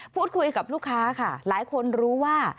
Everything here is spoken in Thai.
พูดคุยกับลูกค้าค่ะหลายคนรู้ว่า